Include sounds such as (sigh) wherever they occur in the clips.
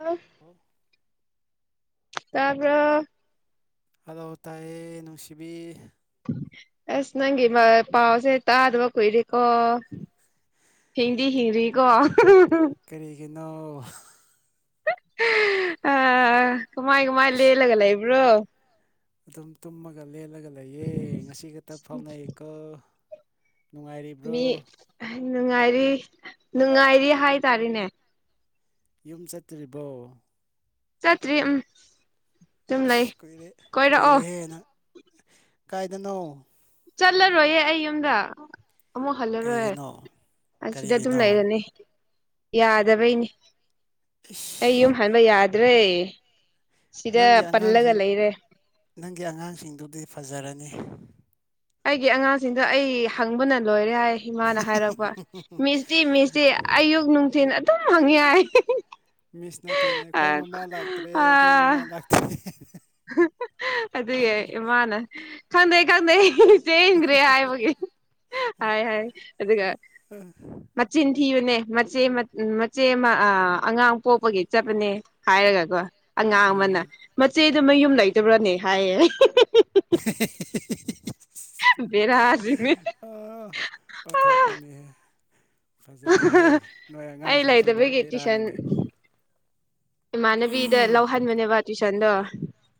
ꯑꯣ ꯍꯜꯂꯣ ꯇꯕ꯭ꯔ ꯍꯂꯣ ꯇꯥꯏꯌꯦ ꯅꯨꯡꯁꯤꯕꯤ ꯑꯁ ꯅꯪꯒꯤ ꯃꯥ ꯄꯥꯎꯁꯦ ꯇꯥꯗꯕ ꯀꯨꯏꯔꯦꯀꯣ ꯍꯤꯡꯗꯤ ꯍꯤꯡꯂꯤꯀꯣ ꯅꯣ ꯑ ꯀꯃꯥꯏ ꯀꯃꯥꯏ ꯑꯁ ꯂꯦꯜꯂꯒ ꯂꯩꯕ꯭ꯔꯣ ꯑꯗꯨꯝ ꯇꯨꯝꯃꯒ ꯂꯦꯜꯂꯒ ꯂꯩꯌꯦ ꯉꯁꯤꯈꯇ ꯐꯥꯎꯅꯩꯌꯦꯀꯣ ꯃꯤ ꯅꯨꯡꯉꯥꯏꯔꯤ ꯅꯨꯡꯉꯥꯏꯔꯤ ꯍꯥꯏꯇꯥꯔꯦꯅꯦ ꯌꯨꯝ ꯆꯠꯇ꯭ꯔꯤꯕꯣ ꯆꯠꯇ꯭ꯔꯤ ꯎꯝ ꯑꯗꯨꯝ ꯂꯩ ꯑꯁ ꯀꯨꯏꯔꯦ ꯀꯣꯏꯔꯛꯑꯣ ꯀꯨꯏꯔꯦꯍꯦ ꯅꯪ ꯀꯥꯏꯗꯅꯣ ꯆꯠꯂꯔꯣꯏꯌꯦ ꯑꯩ ꯌꯨꯝꯗ ꯑꯃꯨꯛ ꯍꯜꯂꯔꯣꯏ ꯀꯩꯒꯤꯅꯣ ꯑꯁꯤꯗ ꯑꯗꯨꯝ ꯀꯔꯤꯒꯤꯅꯣ ꯂꯩꯔꯅꯤ ꯌꯥꯗꯕꯩꯅꯦ ꯑꯩ ꯏꯁ ꯌꯨꯝ ꯍꯟꯕ ꯌꯥꯗ꯭ꯔꯦ ꯁꯤꯗ ꯅꯪꯒꯤ ꯄꯜꯂꯒ ꯑꯉꯥꯡꯁꯤꯡ ꯂꯩꯔꯦ ꯅꯪꯒꯤ ꯑꯉꯥꯡꯁꯤꯡꯗꯨꯗꯤ ꯐꯖꯔꯅꯤ ꯑꯩꯒꯤ ꯑꯉꯥꯡꯁꯤꯡꯗꯣ ꯑꯩ ꯍꯪꯕꯅ ꯂꯣꯏꯔꯦ ꯍꯥꯏ ꯍꯤꯃꯥꯅ ꯍꯥꯏꯔꯛꯄ ꯃꯤꯁꯇꯤ ꯃꯤꯁꯇꯤ ꯑꯌꯨꯛ ꯅꯨꯡꯊꯤꯟ ꯑꯗꯨꯝ ꯍꯪ ꯏ ꯍꯥꯢ ꯍꯦ ꯍꯦ ꯃꯤꯁ ꯅꯠꯇꯦꯅꯦ ꯑꯩꯈꯣꯏ ꯃꯃꯥ ꯂꯥꯛꯇ꯭ꯔꯦ ꯑꯩꯈꯣꯏ ꯃꯃꯥ ꯂꯥꯛꯇ꯭ꯔꯦ ꯍꯦ ꯍꯦ ꯍꯥ ꯍꯥ ꯑꯗꯨꯒꯤ ꯏꯃꯥꯅ ꯈꯪꯗꯦ ꯈꯪꯗꯦ ꯆꯦꯟꯈ꯭ꯔꯦ ꯍꯥꯏꯕꯒꯤ ꯍꯥꯏ ꯍꯥꯏ ꯑꯗꯨꯒ ꯃꯆꯤꯟ ꯊꯤꯕꯅꯦ ꯃꯆꯦ ꯃꯆꯦ ꯑꯃ ꯑꯉꯥꯡ ꯄꯣꯛꯄꯒꯤ ꯆꯠꯄꯅꯦ ꯍꯥꯏꯔꯒꯀꯣ ꯑꯉꯥꯡ ꯎꯝ ꯑꯃꯅ ꯃꯆꯦꯗꯨ ꯃꯌꯨꯝ ꯂꯩꯇꯕ꯭ꯔꯅꯦ ꯍꯥꯏꯌꯦ ꯍꯦ ꯍꯦ ꯍꯦ ꯍꯦ ꯍꯦ ꯍꯦ ꯍꯤ ꯍꯤ ꯕꯦꯔꯥ ꯖꯤꯅꯤ ꯑꯣꯟꯊꯣꯛꯄꯅꯤꯍꯦ ꯐꯖꯗꯦꯍꯦ ꯅꯣꯏ ꯑꯩ ꯑꯉꯥꯡꯁꯤꯡꯁꯨ ꯂꯩꯇꯕꯒꯤ ꯇꯨꯏꯁꯟ ꯕꯦꯔꯥꯅꯤꯅꯦ ꯏꯃꯥꯟꯅꯕꯤꯗ ꯂꯧꯍꯟꯕꯅꯦꯕ ꯇꯨꯏꯁꯟꯗꯣ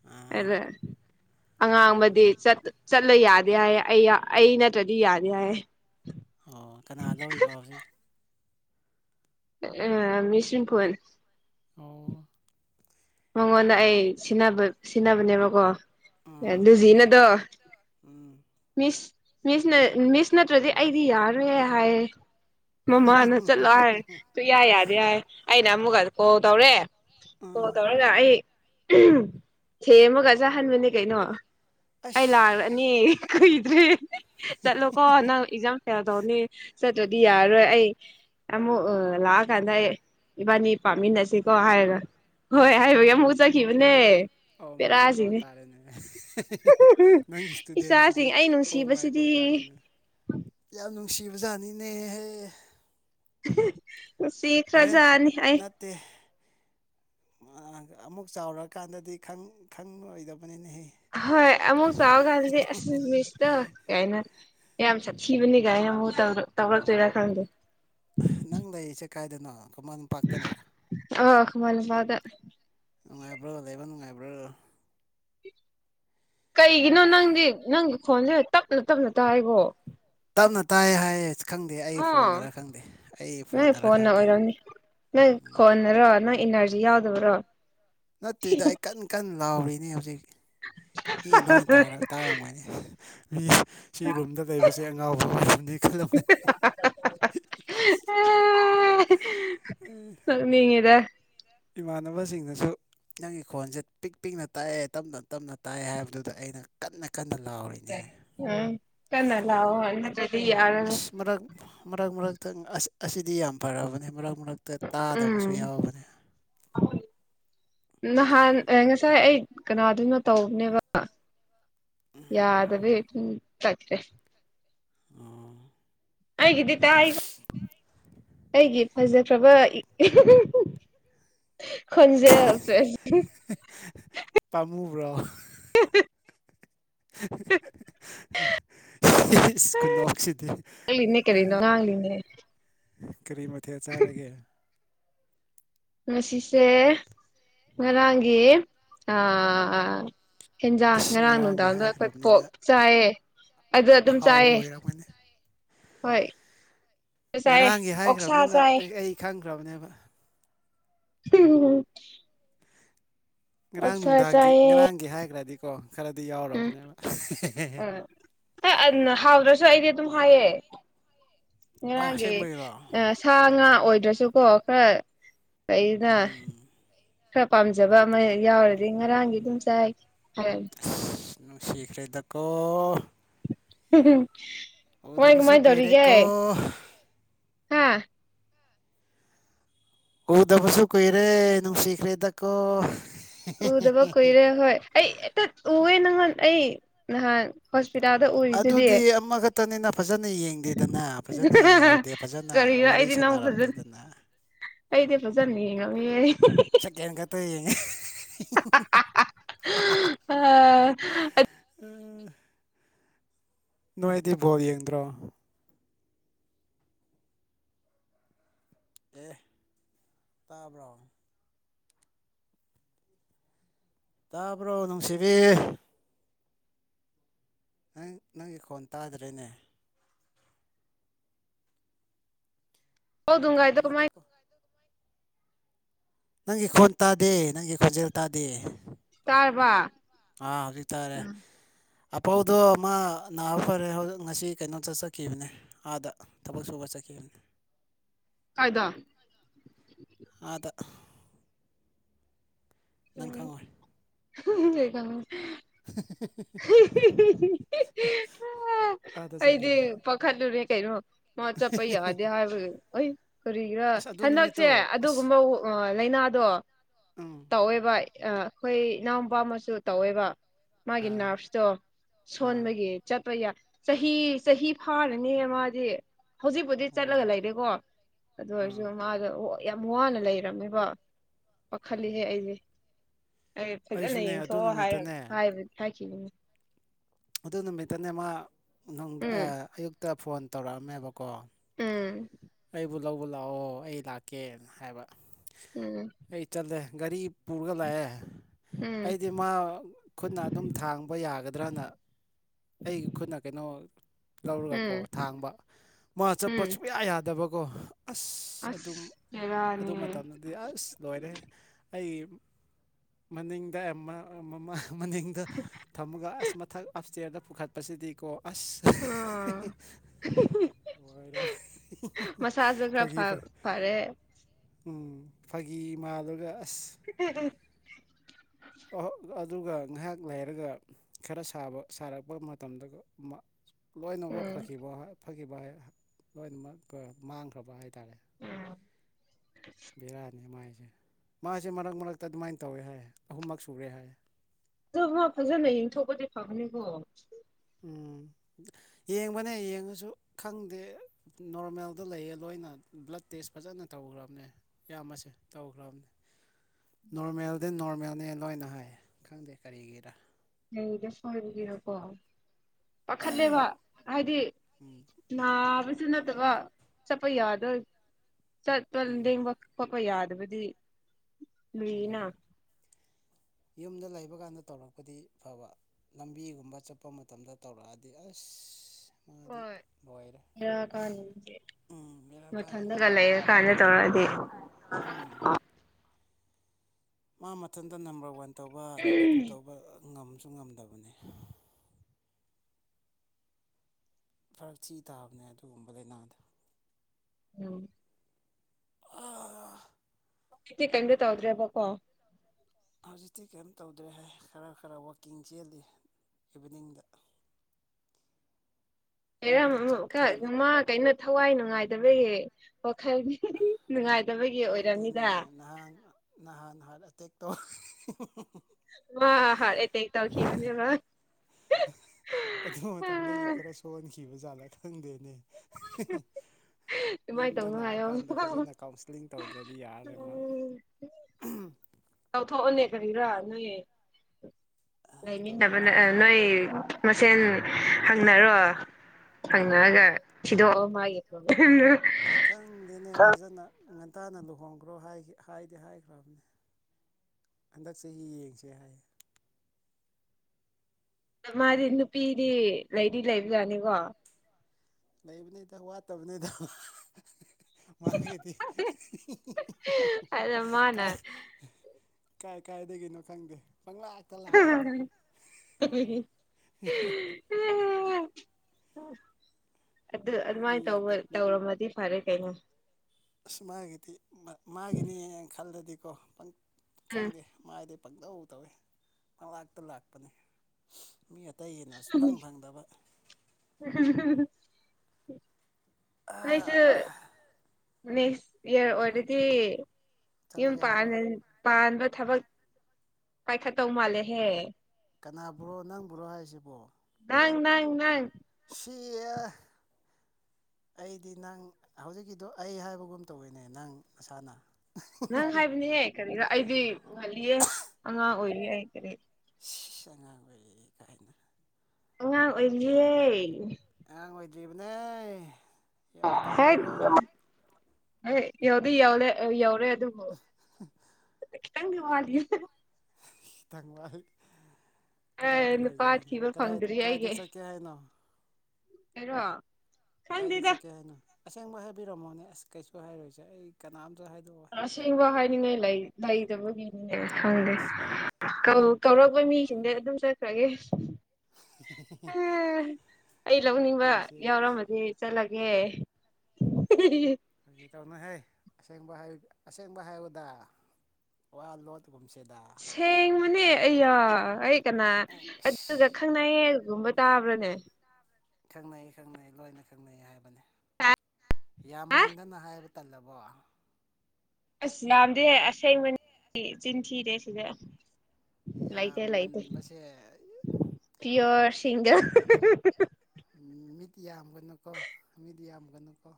ꯑꯥ ꯑꯉꯥꯡ ꯑꯃꯗꯤ ꯆꯠꯂ ꯌꯥꯗꯦ ꯍꯥꯏ ꯑꯩ ꯑꯩ ꯅꯠꯇ꯭ꯔꯗꯤ ꯌꯥꯗꯦ ꯍꯥꯏ ꯑꯣ ꯀꯅꯥ ꯂꯧꯔꯤꯕ ꯍꯧꯖꯤꯛ ꯑꯥ ꯃꯤꯁꯤꯐꯨꯜ ꯑꯣ ꯃꯉꯣꯟꯗ ꯑꯩ ꯁꯤ ꯁꯤꯟꯅꯕꯅꯦꯕꯀꯣ ꯎꯝ ꯑꯦ ꯁꯤꯅꯗꯣ ꯎꯝ ꯃꯤꯁ ꯃꯤꯁ ꯃꯤꯁ ꯅꯠꯇ꯭ꯔꯗꯤ ꯑꯩꯗꯤ ꯌꯥꯔꯣꯏ ꯍꯥꯏꯌꯦ ꯃꯃꯥꯅ ꯆꯠꯂꯣ ꯍꯥꯏꯔ ꯁꯨꯛꯌꯥ ꯌꯥꯗꯦ ꯍꯥꯏ ꯑꯩꯅ ꯑꯃꯨꯛꯀ ꯀꯣꯜ ꯇꯧꯔꯦ ꯀꯣꯜ ꯎꯝ ꯇꯧꯔꯒ ꯑꯩ ꯊꯦꯝꯃꯒ ꯆꯠꯍꯟꯕꯅꯤ ꯀꯩꯅꯣ ꯑꯩ ꯂꯥꯛꯂꯅꯤ ꯑꯁ ꯀꯨꯏꯗ꯭ꯔꯦ ꯍꯤ ꯍꯤ ꯆꯠꯂꯣꯀꯣ ꯅꯪ ꯑꯦꯛꯖꯥꯡ ꯐꯦꯜ ꯇꯧꯅꯤ ꯆꯠꯇ꯭ꯔꯗꯤ ꯌꯥꯔꯔꯣꯏ ꯑꯩ ꯑꯃꯨꯛ ꯑꯥ ꯂꯥꯛꯑꯀꯥꯟꯗ ꯑꯩ ꯏꯕꯥꯅꯤ ꯄꯥꯝꯃꯤꯟꯅꯁꯤꯀꯣ ꯍꯥꯏꯔꯒ ꯍꯣꯏ ꯍꯥꯏꯕꯒꯤ ꯑꯃꯨꯛ ꯆꯠꯈꯤꯕꯅꯦ ꯑꯣ ꯃꯥꯏ ꯒꯣꯠ ꯄꯦꯔꯥꯁꯤꯡꯅꯦ ꯇꯥꯔꯦꯅꯦ ꯍꯦ ꯍꯦ ꯅꯪ ꯏꯁꯇꯨꯗꯦꯟꯠ ꯁꯤꯗꯤ ꯏꯆꯥꯁꯤꯡ ꯑꯩ ꯑꯣ ꯃꯥꯏ ꯅꯨꯡꯁꯤꯕꯁꯤꯗꯤ ꯒꯣꯠ ꯇꯥꯔꯦꯅꯦ ꯌꯥꯝ ꯅꯨꯡꯁꯤ ꯖꯅꯤꯅꯦꯍꯦ ꯍꯦ ꯍꯦ ꯁꯤꯈ꯭ꯔꯖꯥꯅꯤ ꯑꯩ ꯅꯠꯇꯦ ꯑꯃꯨꯛ ꯆꯥꯎꯔꯀꯥꯟꯗꯗꯤ ꯈꯪ ꯈꯪꯉꯣꯏꯗ ꯍꯣꯏ ꯑꯃꯨꯛ ꯆꯥꯎꯀꯥꯟꯗꯗꯤ ꯑꯁꯤ ꯃꯤꯁꯇꯣ ꯀꯥꯏꯅ ꯌꯥꯝ ꯆꯠ ꯁꯤꯕꯅꯦ ꯀꯥꯏꯅ ꯑꯃꯨꯛ ꯇꯧꯔꯛ ꯇꯣꯏꯔ ꯈꯪꯗꯦ ꯅꯪ ꯂꯩ ꯁꯦ ꯀꯥꯏꯗꯅꯣ ꯈꯨꯃꯟ ꯂꯝꯄꯥꯛꯇꯔ ꯗ ꯅꯨꯡꯉꯥꯏꯕ꯭ꯔꯥ ꯂꯩꯕ ꯅꯨꯡꯉꯥꯏꯕ꯭ꯔꯣ ꯀꯩꯒꯤꯅꯣ ꯅꯪꯗꯤ ꯅꯪꯒꯤ ꯈꯣꯟꯁꯦ ꯇꯞꯅ ꯇꯞꯅ ꯇꯥꯏꯕꯣ ꯇꯞꯅ ꯇꯥꯏꯌꯦ ꯍꯥꯏꯌꯦ ꯈꯪꯗꯦ ꯑꯩ ꯑꯥ ꯐꯣꯟꯅꯔ ꯈꯪꯗꯦ ꯑꯩ ꯅꯣꯢ ꯐꯣꯟꯅꯔ ꯐꯣꯟꯅ ꯈꯪꯗꯦ ꯑꯣꯏꯔꯝꯅꯤ ꯅꯣꯢ ꯀꯣꯟꯅꯔꯣ ꯏꯟꯅꯔꯖꯤ ꯌꯥꯎꯗꯕ꯭ꯔꯣ ꯅꯠꯇꯦꯗ ꯑꯩ ꯀꯟ ꯀꯟꯅ ꯂꯥꯎꯔꯤꯅꯦ ꯍꯧꯖꯤꯛ ꯃꯤ ꯂꯣꯏ ꯇꯥ ꯇꯔꯝꯒꯅꯤ ꯃꯤ ꯁꯤ ꯔꯨꯝꯗ ꯂꯩꯕꯁꯦ ꯑꯉꯥꯎꯕ ꯃꯐꯝꯅꯤ ꯈꯜꯂꯝꯒꯅꯤ ꯍꯥ ꯑꯦ ꯍꯦ ꯅꯣꯛꯅꯤꯉꯤꯗ ꯏꯃꯥꯟꯅꯕꯁꯤꯡꯅꯁꯨ ꯅꯪꯒꯤ ꯈꯣꯟꯁꯦ ꯄꯤꯛ ꯄꯤꯛꯅ ꯇꯥꯛꯑꯦ ꯇꯞꯅ ꯇꯞꯅ ꯇꯥꯛꯑ ꯍꯥꯏꯕꯗꯨꯗ ꯑꯩꯅ ꯀꯟꯅ ꯀꯟꯅ ꯂꯥꯎꯔꯤꯅꯦ ꯑꯥ ꯀꯟꯅ ꯂꯥꯎ ꯍꯥꯏꯕꯅꯤ ꯑꯁ ꯃꯔꯛ ꯃꯔꯛ ꯃꯔꯛꯇ ꯑꯁ ꯑꯁꯤꯗꯤ ꯌꯥꯝ ꯐꯔꯕꯅꯤ ꯃꯔꯛ ꯃꯔꯛꯇ ꯇꯥꯗꯕꯁꯨ ꯎꯝ ꯌꯥꯎꯕꯅꯤ ꯅꯍꯥꯟ ꯉꯁꯥꯏ ꯑꯩ ꯀꯅꯥꯗꯨꯅꯣ ꯇꯧꯕꯅꯦꯕ ꯌꯥꯗꯕꯤ ꯗꯨꯝ ꯇꯠꯈ꯭ꯔꯦ ꯑꯣ ꯑꯩꯒꯤꯗꯤ ꯇꯥꯏ ꯑꯩꯒꯤ ꯐꯖꯈ꯭ꯔꯕ (inaudible) ꯈꯣꯟꯖꯦꯜꯁꯦ (inaudible) ꯕ꯭ꯔꯣ (inaudible) (inaudible) ꯈꯨꯅꯣꯛꯁꯤꯗꯤ (inaudible) ꯀꯔꯤꯅꯣ ꯉꯥꯡꯂꯤꯝꯅꯦ ꯀꯔꯤ ꯃꯊꯦꯜ ꯆꯥꯔꯒꯦ ꯉꯁꯤꯁꯦ ꯉꯔꯥꯡꯒꯤ ꯑꯥ ꯑꯥ ꯍꯦꯟꯖꯥꯡ ꯑꯁ ꯉꯔꯥꯡ ꯉꯔꯥꯡꯒꯤ ꯅꯨꯡꯗꯥꯡꯗ ꯈꯣꯏ ꯄꯣꯛ ꯍꯥꯏꯈ꯭ꯔꯕꯅꯤꯅ ꯆꯥꯏꯌꯦ ꯑꯗ ꯑꯗꯨꯝ ꯆꯥꯏꯌꯦ ꯑꯍꯥꯎꯕ ꯑꯣꯏꯔꯝꯒꯅꯤ ꯍꯣꯏ ꯆꯥꯏꯌꯦ ꯉꯔꯥꯡꯒꯤ ꯑꯣꯛꯁꯥ ꯍꯥꯏꯈ꯭ꯔꯕꯅꯤꯅ ꯆꯥꯏꯌꯦ ꯑꯩ ꯈꯪꯗ꯭ꯔꯕꯅꯦꯕ (inaudible) ꯉꯔꯥꯡ ꯑꯣꯛꯁꯥ ꯅꯨꯡꯗꯥꯡꯒꯤ ꯆꯥꯏꯌꯦ ꯉꯔꯥꯡꯒꯤ ꯍꯥꯏꯈ꯭ꯔꯗꯤꯀꯣ ꯈꯔꯗꯤ ꯎꯝ ꯌꯥꯎꯔꯕꯅꯦꯕ ꯁꯨꯝ ꯍꯥꯏꯌꯦ ꯑꯥ ꯉꯥꯔꯥꯡꯒꯤ ꯑꯁꯦꯡꯕꯩꯔꯣ ꯁꯥ ꯉꯥ ꯑꯣꯏꯗ꯭ꯔꯁꯨꯀꯣ ꯈꯔ ꯂꯩꯅ ꯎꯝ ꯈꯔ ꯄꯥꯝ ꯖꯕ ꯑꯃ ꯌꯥꯎꯔꯗꯤ ꯉꯔꯥꯡꯒꯤ ꯄꯨꯡꯆꯥꯏ ꯍꯥꯏꯔꯅꯤ ꯅꯨꯡꯁꯤꯈ꯭ꯔꯦꯗꯀꯣ (inaudible) ꯀꯃꯥꯏ ꯎꯗꯕꯁꯨ ꯀꯃꯥꯏ ꯀꯨꯏꯔꯦ ꯀꯣ ꯍꯥꯥ ꯎꯗꯕꯁꯨ ꯀꯨꯏꯔꯦ ꯅꯨꯡꯁꯤꯈ꯭ꯔꯦꯗꯀꯣ ꯎꯗꯕ ꯀꯨꯏꯔꯦ ꯍꯣꯏ ꯑꯩ ꯎꯋꯦ ꯅꯪ ꯅꯍꯥꯟ ꯍꯣꯁ ꯄꯤꯇꯥꯜꯗ ꯎꯔꯤꯗꯨꯗꯤ ꯐꯖꯟꯅ ꯌꯦꯡꯗꯦꯗꯅ ꯐꯖꯟꯅ ꯌꯦꯡꯍꯧꯗꯦ ꯐꯖꯟꯅ ꯀꯔꯤꯔ ꯋꯥꯔꯤ ꯑꯩꯗꯤ ꯅꯪ ꯐꯖꯅ ꯁꯥꯟꯅꯔꯝꯗꯦꯗꯅ ꯑꯩꯗꯤ ꯐꯖꯅ ꯌꯦꯡꯉꯝꯃꯦ ꯁꯦꯀꯦꯟ ꯈꯛꯇ ꯌꯦꯡꯉꯦ (inaudible) ꯅꯣꯏꯗꯤ ꯚꯣꯜ ꯌꯦꯡꯗ꯭ꯔꯣ ꯑꯦ ꯇꯥꯕ꯭ꯔꯣ ꯇꯥꯕ꯭ꯔꯣ ꯅꯨꯡꯁꯤꯕꯤ ꯅꯪ ꯅꯪꯒꯤ ꯈꯣꯟ ꯇꯥꯗ꯭ꯔꯦꯅꯦ ꯄꯥꯎꯗꯨꯡꯒꯥꯏꯗꯣ ꯀꯃꯥꯏ ꯑꯣꯟꯊꯣꯛꯄꯅꯤꯗꯀꯣ ꯅꯪꯒꯤ ꯈꯣꯟ ꯇꯥꯗꯦ ꯅꯪꯒꯤ ꯈꯣꯟꯖꯦꯜ ꯇꯥꯗꯦ ꯇꯥꯔꯕ ꯑꯥ ꯍꯧꯖꯤꯇꯥꯔꯦ ꯑꯄꯧꯗꯣ ꯃ ꯅꯥꯕ ꯐꯔꯦ ꯍꯧꯖꯤꯛ ꯉꯁꯤ ꯀꯩꯅꯣ ꯆꯠꯆꯈꯤꯕꯅꯦ ꯑꯥꯗ ꯊꯕꯛ ꯁꯨꯕ ꯆꯠꯈꯤ (inaudible) ꯀꯥꯏꯗ ꯑꯥꯗ ꯅꯪ ꯈꯪꯉꯣꯏ (unintelligible) (inaudible) ꯑꯥꯗ (inaudible) ꯑꯩꯗꯤ ꯆꯠꯈꯤꯕꯅꯦ ꯄꯥꯈꯠꯂꯨꯔꯦ ꯀꯩꯅꯣ ꯃ ꯆꯠꯄ ꯌꯥꯗꯦ ꯍꯥꯏꯕꯒꯤ ꯍꯩ ꯀꯔꯤꯒꯤꯔꯥ ꯑꯁ ꯑꯗꯨ ꯍꯟꯗꯛꯁꯦ ꯅꯨꯃꯤꯠꯇꯣ ꯑꯁ ꯑꯗꯨꯒꯨꯝꯕ ꯂꯩꯅ ꯃꯥꯗꯣ ꯎꯝ ꯇꯧꯋꯦꯕ ꯑ ꯑꯩꯈꯣꯏ ꯏꯅꯥꯎꯄ ꯑꯃꯁꯨ ꯇꯧꯋꯦꯕ ꯃꯥꯒꯤ ꯑꯥ ꯅꯔꯞꯁꯇꯣ ꯑꯥ ꯁꯣꯟꯕꯒꯤ ꯆꯠꯄ ꯌꯥ ꯆꯍꯤ ꯆꯍꯤ ꯐꯥꯔꯅꯦ ꯃꯥꯗꯤ ꯍꯧꯖꯤꯛꯄꯨꯗꯤ ꯑꯣ ꯆꯠꯂꯒ ꯂꯩꯔꯦꯀꯣ ꯑꯗꯨ ꯑꯣꯏꯔꯁꯨ ꯑꯥ ꯃꯥꯗꯣ ꯌꯥꯝ ꯋꯥꯅ ꯂꯩꯔꯝꯃꯦꯕ ꯄꯥꯈꯠꯂꯤꯍꯦ ꯑꯣ ꯑꯩꯁꯦ ꯑꯩ ꯐꯖꯅ ꯑꯩꯁꯨꯅꯦ ꯑꯗꯨ ꯌꯦꯡꯊꯣꯛꯑꯣ ꯍꯥꯏꯔ ꯅꯨꯃꯤꯠꯇꯅꯦ ꯍꯥꯏꯕ ꯍꯥꯏꯈꯤꯕꯅꯦ ꯑꯗꯨ ꯅꯨꯃꯤꯠꯇꯅꯦ ꯃꯥ ꯅꯨꯡ ꯎꯝ ꯑꯌꯨꯛꯇ ꯐꯣꯟ ꯇꯧꯔꯛꯑꯝꯃꯦꯕꯀꯣ ꯎꯝ ꯑꯩꯕꯨ ꯂꯧꯕ ꯂꯥꯛꯑꯣ ꯑꯩ ꯂꯥꯛꯀꯦꯅ ꯍꯥꯏꯕ ꯎꯝ ꯑꯩ ꯆꯠꯂꯦ ꯒꯥꯔꯤ ꯄꯨꯔꯒ ꯂꯥꯛꯑꯦ ꯎꯝ ꯑꯩꯗꯤ ꯃꯥ ꯈꯨꯠꯅ ꯑꯗꯨꯝ ꯊꯥꯡꯕ ꯌꯥꯒꯗ꯭ꯔꯅ ꯑꯩꯒꯤ ꯈꯨꯠꯅ ꯀꯩꯅꯣ ꯂꯧꯔꯒꯀꯣ ꯎꯝ ꯊꯥꯡꯕ ꯃꯥ ꯆꯠꯄ ꯎꯝ ꯁꯨꯡꯛꯌꯥ ꯌꯥꯗꯕ ꯑꯁ ꯑꯗꯨꯝ ꯑꯗꯨ ꯃꯇꯝꯗꯗꯤ ꯑꯁ ꯂꯣꯏꯔꯦ ꯑꯩ ꯃꯅꯤꯡꯗ ꯑꯃ ꯑꯃꯃꯥ ꯃꯅꯤꯡꯗ ꯊꯝꯃꯒ ꯑꯁ ꯃꯊꯛ ꯑꯞꯁꯇꯦꯌꯔꯗ ꯄꯨꯈꯠꯄꯁꯤꯗꯤꯀꯣ ꯑꯁ ꯎꯝ ꯃꯁꯥꯁꯨ ꯈꯔ ꯐꯒꯤ ꯐ ꯐꯒꯤ ꯐꯔꯦ ꯎꯝ ꯐꯥꯒꯤ ꯃꯥꯜꯂꯒ ꯑ (unintelligible) ꯑꯣ ꯑꯗꯨꯒ ꯉꯥꯏꯍꯥꯛ ꯂꯩꯔꯒ ꯈꯔ ꯁꯥꯕ ꯁꯥꯔꯛꯄ ꯃꯇꯝꯗ ꯃ ꯂꯣꯏꯅꯃꯛ ꯎꯝ ꯐꯈꯤꯕ ꯐꯈꯤꯕ ꯂꯣꯏꯅꯃꯛ ꯃꯥꯡꯈ꯭ꯔꯕ ꯍꯥꯏꯇꯥꯥꯔꯦ ꯎꯝ ꯕꯦꯔꯥꯅꯤ ꯃꯥꯥꯏꯁꯦ ꯃꯥꯁꯦ ꯃꯔꯛ ꯃꯔꯛꯇ ꯑꯗꯨꯃꯥꯏꯅ ꯇꯧꯋꯦ ꯍꯥꯏꯦ ꯑꯍꯨꯝꯃꯛ ꯁꯨꯔꯦ ꯍꯥꯏ ꯑꯗꯨ ꯃꯥ ꯐꯖꯅ ꯋꯦꯡꯊꯣꯛꯄꯗꯤ ꯐꯕꯅꯀꯣ ꯎꯝ ꯌꯦꯡꯕꯅꯦ ꯌꯦꯡꯉꯁꯨ ꯈꯪꯗꯦ ꯅꯣꯔꯃꯦꯜꯗ ꯂꯩꯌꯦ ꯂꯣꯏꯅ ꯕ꯭ꯂꯠ ꯇꯦꯁ ꯐꯖꯅ ꯇꯧꯒ꯭ꯔꯕꯅꯦ ꯏꯌꯥꯝꯃꯁꯦ ꯇꯧꯒ꯭ꯔꯕꯅꯦ ꯅꯣꯔꯃꯦꯜꯗꯤ ꯅꯣꯔꯃꯦꯜꯅꯦ ꯂꯣꯏꯅ ꯍꯥꯏꯌꯦ ꯈꯪꯗꯦ ꯀꯔꯤꯒꯤꯔ (unintelligible) ꯄꯥꯈꯠꯂꯦꯕ ꯍꯥꯏꯗꯤ ꯎꯝ ꯅꯥꯕ ꯑꯗꯨ ꯅꯠꯇꯕ ꯆꯠꯄ ꯌꯥꯗꯣꯏ ꯆꯠꯄ ꯎꯝ ꯂꯦꯡꯕ ꯈꯣꯠꯄ ꯌꯥ ꯑꯗꯨꯗꯤ ꯃꯤꯅ ꯎꯝ ꯌꯨꯝꯗ ꯂꯩꯕꯀꯥꯟꯗ ꯇꯧꯔꯛꯄꯗꯤ ꯐꯕ ꯂꯝꯕꯤꯒꯨꯝꯕ ꯆꯠꯄ ꯃꯇꯝꯗ ꯇꯧꯔꯛꯑꯗꯤ ꯑꯁ ꯃꯥꯗꯤ ꯍꯣꯏ ꯂꯣꯏꯔꯦ ꯌꯥ (unintelligible) ꯎꯝ ꯕꯦꯔꯥ ꯃꯊꯟꯗꯒ ꯀꯥꯒꯅꯦꯕ ꯂꯩꯔꯀꯥꯟꯗ ꯇꯧꯔꯛꯑꯗꯤ ꯎꯝ ꯃꯥ ꯃꯊꯟꯇ ꯅꯝꯕꯔ ꯋꯥꯟ ꯇꯧꯕ ꯅꯝꯕꯔ ꯇꯨ ꯇꯧꯕ ꯉꯝꯁꯨ ꯉꯝꯗꯕꯅꯤ ꯐꯔꯛ ꯊꯤ ꯇꯥꯕꯅꯦ ꯑꯗꯨꯒꯨꯝꯕ ꯂꯥꯏꯅꯥꯗ ꯎꯝ ꯀꯔꯤꯝꯇ ꯇꯧꯗ꯭ꯔꯕꯀꯣ ꯍꯧꯖꯤꯛꯇꯤ ꯀꯔꯤꯝ ꯇꯧꯗ꯭ꯔꯦꯍꯦ ꯈꯔ ꯈꯔ ꯋꯥꯛꯀꯤꯡ ꯆꯦꯜꯂꯤ ꯏꯚꯅꯤꯡꯅꯤꯡꯗ (unintelligible) ꯈꯔ ꯆꯠꯀꯦꯅ ꯃꯥ ꯀꯩꯅ ꯊꯋꯥꯏ ꯅꯨꯡꯉꯥꯏꯇꯕꯒꯤ ꯋꯥꯈꯜ ꯅꯨꯡꯉꯥꯏꯇꯕꯒꯤ ꯑꯣꯏꯔꯝꯅꯤꯗ ꯈꯪꯗꯦꯅꯦ ꯅꯍꯥꯟ ꯅꯍꯥꯟ ꯍꯥꯔꯠ ꯑꯦꯇꯦꯛ ꯇꯧ ꯍꯤ ꯍꯤ ꯍꯤ ꯋꯥ ꯍꯥꯔꯇꯪ ꯑꯦꯇꯦꯛ ꯇꯧꯈꯤꯕꯅꯦꯕ ꯑꯗꯨ ꯃꯇꯝꯗꯒꯤ ꯈꯔ ꯁꯣꯟꯈꯤꯕ ꯖꯥꯠꯂꯥ ꯈꯪꯗꯦꯅꯦ ꯍꯤ ꯍꯤ ꯍꯤ ꯑꯗꯨꯃꯥꯏꯅ ꯌꯨꯝꯗ ꯇꯧꯅꯨ ꯍꯥꯏꯌꯣ ꯂꯥꯛꯑꯀꯥꯟꯗ ꯐꯖꯅ ꯀꯥꯎꯟꯁꯤꯂꯤꯡ ꯇꯧꯗ꯭ꯔꯗꯤ ꯌꯥꯔꯔꯣꯏ ꯃꯥ ꯊꯣꯛꯎꯅꯦ ꯀꯔꯤꯔꯥ ꯅꯣꯏ ꯂꯩꯃꯤꯟꯅꯕꯅ ꯇꯧꯗ꯭ꯔꯗꯤ ꯌꯥꯔꯔꯣꯏ ꯅꯣꯏ ꯃꯁꯦꯟ ꯍꯪꯅꯔꯣ ꯎꯝ ꯍꯪꯉꯒ ꯊꯤꯗꯣꯛꯑꯣ ꯃꯥꯒꯤ ꯂꯩꯐꯝ ꯈꯪꯗꯦꯅꯦ ꯐꯖꯅ ꯉꯟꯇꯥꯅ ꯂꯨꯍꯣꯡꯈ꯭ꯔꯣ ꯍꯥꯏꯗꯤ ꯍꯥꯏꯈ꯭ꯔꯕꯅꯦ ꯍꯟꯗꯛ ꯆꯍꯤ ꯌꯦꯡꯁꯦ ꯍꯥꯏꯌꯦ ꯃꯥꯗꯤ ꯅꯨꯄꯤꯗꯤ ꯂꯩꯗꯤ ꯂꯩꯕꯖꯅꯤꯀꯣ ꯂꯩꯕꯅꯤꯗ ꯋꯥꯠꯇꯕꯅꯤꯗ ꯍꯥ ꯍꯥ ꯃꯥꯒꯤꯗꯤ ꯍꯤ ꯍꯤ ꯍꯤ ꯑꯗ ꯃꯥꯅ ꯀꯥꯏ ꯀꯥꯏ ꯀꯥꯏꯗꯒꯤꯅꯣ ꯈꯪꯗꯦ ꯄꯪꯂꯥꯛꯇ ꯍꯤ ꯍꯤ ꯂꯥꯛꯄꯅꯤ ꯍꯤ ꯍꯤ ꯍꯤ ꯑꯗꯨ ꯑꯗꯨꯃꯥꯏꯅ ꯃꯤ ꯇꯧ ꯑꯇ ꯇꯧꯔꯝꯃꯗꯤ ꯐꯔꯦ ꯀꯩꯅꯣ ꯑꯁ ꯃꯥꯒꯤꯗꯤ ꯃꯥꯒꯤꯅꯦ ꯈꯜꯂꯗꯤꯀꯣ ꯄꯪ ꯎꯝ ꯈꯪꯗꯦ ꯃꯥꯗꯤ ꯄꯪꯗꯧ ꯇꯧꯋꯦ ꯄꯪꯂꯥꯛꯇ ꯂꯥꯛꯄꯅꯤ ꯃꯤ ꯑꯇꯩꯒꯤꯅ ꯁꯨꯐꯪ ꯐꯪꯗꯕ ꯅꯣꯏꯁꯨ ꯅꯦꯛꯁ ꯏꯌꯥꯔ ꯑꯣꯏꯔꯗꯤ ꯌꯨꯝ ꯆꯠꯂꯒꯦ ꯄꯥꯟ ꯍꯥꯏꯔꯣ ꯄꯥꯟꯕ ꯊꯕꯛ ꯄꯥꯏꯈꯠꯇꯧ ꯃꯥꯜꯂꯦꯍꯦ ꯀꯅꯥꯕꯨ ꯅꯪꯕꯨꯔꯣ ꯍꯥꯏꯁꯤꯕꯨ ꯅꯪ ꯅꯪ ꯅꯪ ꯀꯤꯌꯦ ꯑꯩꯗꯤ ꯅꯪ ꯍꯧꯖꯤꯛꯀꯤꯗꯣ ꯑꯩ ꯍꯥꯏꯕꯒꯨꯝ ꯇꯧꯋꯤꯅꯦ ꯅꯪ ꯅꯁꯥꯅ ꯅꯪ ꯍꯥꯏꯕꯅꯦꯍꯦ ꯀꯔꯤꯔ ꯑꯩꯗꯤ ꯉꯜꯂꯤꯌꯦ ꯑꯉꯥꯡ ꯑꯣꯏꯔꯤꯌꯦ ꯑꯩ ꯀꯔꯤ ꯏꯁ ꯑꯉꯥꯡ ꯑꯣꯏꯔꯤꯌꯦ ꯀꯥꯏꯅ ꯑꯉꯥꯡ ꯑꯣꯏꯔꯤꯌꯦ ꯑꯉꯥꯡ ꯑꯣꯏꯗ꯭ꯔꯤꯕꯅꯦ ꯃꯇꯝ ꯌꯧꯔꯦ ꯍꯦ ꯌꯧꯗꯤ ꯌꯧꯔꯦ ꯌꯧꯔꯦ ꯑꯗꯨꯕꯨ ꯈꯤꯇꯪꯗꯤ ꯋꯥꯠꯂꯤ ꯍꯥ ꯍꯥ ꯈꯤꯇꯪ ꯋꯥꯠꯂꯤ ꯀꯗꯥꯏꯗ ꯅꯨꯄꯥ ꯂꯩꯒꯦ ꯍꯥꯏꯅꯣ ꯊꯤꯕ ꯀꯗꯥꯏꯗ ꯐꯪꯗ꯭ꯔꯤ ꯀꯥꯏꯗ ꯆꯠꯀꯦ ꯍꯥꯏꯅꯣ ꯑꯩꯔꯣ ꯀꯥꯏꯗ ꯆꯠꯀꯦ ꯍꯥꯏꯅꯣ ꯑꯁꯦꯡꯕ ꯍꯥꯏꯕꯤꯔꯝꯃꯣꯅꯦ ꯑꯁ ꯀꯩꯁꯨ ꯍꯥꯏꯔꯨꯁꯦ ꯑꯩ ꯀꯅꯥꯝ ꯑꯁꯦꯡꯕ ꯍꯥꯏꯅꯤꯡꯉꯥꯏ ꯂꯩ ꯂꯩꯇꯕꯒꯤꯅꯤꯅꯦ ꯈꯪꯗꯦ ꯀꯧ ꯀꯧꯔꯛꯄ ꯃꯤꯁꯤꯡꯗ ꯑꯗꯨꯝ ꯆꯠꯈ꯭ꯔꯒꯦ ꯑꯦ ꯂꯧꯅꯤꯡꯕ ꯑꯩꯁꯦ ꯑꯁ ꯌꯥꯎꯔꯝꯃꯗꯤ ꯆꯠꯂꯒꯦ ꯎꯝ ꯍꯨꯡ ꯍꯨꯡ ꯍꯨꯡ ꯐꯥꯒꯤ ꯇꯧꯅꯨꯍꯦ ꯑꯁꯦꯡꯕ ꯍꯥꯏ ꯑꯁꯦꯡꯕ ꯍꯥꯏꯔꯣꯗ ꯋꯥ ꯂꯣꯠ ꯁꯦꯡꯕꯅꯦ ꯑꯩꯌ ꯑꯩ ꯀꯅꯥ ꯑꯩꯁ ꯑꯗꯨꯒ ꯈꯪꯅꯩꯌꯦ ꯨꯒꯨꯝꯕ ꯇꯥꯕ꯭ꯔꯅꯦ ꯈꯪꯅꯩ ꯈꯪꯅꯩ ꯂꯣꯏꯅ ꯈꯪꯅꯩ ꯍꯥꯏꯕꯅꯦ ꯑ ꯌꯥꯝꯃꯟꯗꯅ ꯍꯥꯏꯕ ꯇꯜꯂꯕꯣ ꯑꯁ ꯌꯥꯝꯗꯦ ꯑꯁꯦꯡꯕꯅꯤ ꯆꯤꯟꯊꯤꯗꯦ ꯁꯤꯗ ꯂꯩꯇꯦ ꯂꯩꯇꯦ ꯌꯥꯝꯃꯟꯕꯁꯦ ꯏ ꯄꯤꯌꯣꯔ ꯁꯤꯡꯒꯜ ꯍꯥ ꯍꯥ ꯍꯥ ꯃꯤꯠ ꯌꯥꯝꯒꯅꯨꯀꯣ ꯃꯤꯗꯤ ꯌꯥꯝꯒꯅꯨꯀꯣ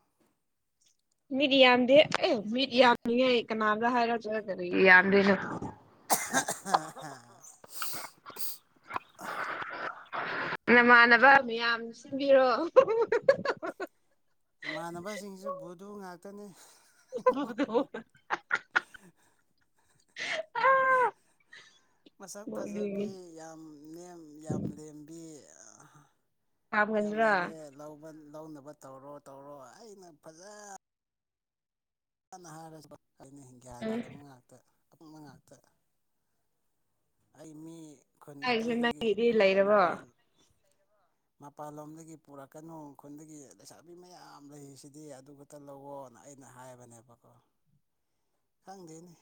ꯃꯤꯗꯤ ꯌꯥꯝꯗꯦ ꯑꯦ ꯃꯤꯗꯤ ꯌꯥꯝꯃꯤꯌꯦ ꯀꯅꯥꯗ ꯍꯥꯏꯔ ꯀꯔꯤ ꯌꯥꯝꯗ꯭ꯔꯤꯅꯣ ꯑꯍꯥ ꯑꯍꯥ ꯍꯥ ꯍꯥ ꯅꯃꯥꯟꯅꯕ ꯃꯌꯥꯝ ꯁꯤꯟꯕꯤꯔꯣ ꯍꯨ ꯍꯨ ꯍꯨ ꯏꯃꯥꯟꯅꯕꯖꯤꯡꯖꯨ ꯚꯨꯗꯨ ꯉꯥꯛꯇꯅꯦ ꯍꯥ ꯍꯥ ꯍꯥ ꯍꯥ ꯑꯥ ꯃꯁꯛ ꯐꯖꯕꯤ ꯌꯥꯝ ꯅꯦꯝ ꯌꯥꯝ ꯂꯦꯝꯕꯤ ꯌꯥꯝ ꯄꯥꯝꯒꯟꯗ꯭ꯔꯥ ꯂꯩꯔꯦ ꯂꯧꯕ ꯂꯧꯅꯕ ꯇꯧꯔꯣ ꯇꯧꯔꯣ ꯑꯩꯅ ꯐꯖ ꯅ ꯍꯥꯏꯔꯁꯨ ꯑꯩꯅ ꯒ꯭ꯌꯥꯟ ꯎꯝ ꯇꯥꯗꯕ ꯉꯥꯛꯇ ꯑꯄꯪꯕ ꯉꯥꯛꯇ ꯑꯩ ꯃꯤ ꯈꯨꯟ ꯍꯥꯏꯔꯤꯁꯦ ꯑꯇꯩꯗꯒꯤ ꯅꯪꯒꯤꯗꯤ ꯂꯩꯔꯕꯣ ꯃꯄꯥꯟ (inaudible) ꯃꯄꯥꯟꯂꯣꯝꯗꯒꯤ ꯄꯨꯔꯛꯀꯅꯨ ꯈꯨꯟꯗꯒꯤ ꯂꯩꯁꯥꯕꯤ ꯃꯌꯥꯝ ꯂꯩꯔꯤꯁꯤꯗꯤ ꯑꯗꯨ ꯈꯛꯇ ꯂꯧꯋꯣꯅ ꯑꯩ ꯅ ꯍꯥꯏꯕꯅꯦꯕꯀꯣ ꯈꯪꯗꯦꯅꯦ